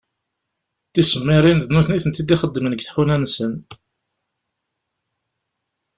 Tisemmirin d nutni i tent-id-ixeddmen deg tḥuna-nsen.